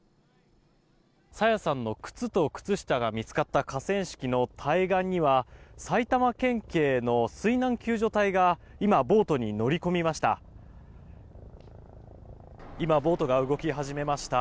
朝芽さんの靴と靴下が見つかった河川敷の対岸には埼玉県警の水難救助隊が今、ボートに乗り込みました。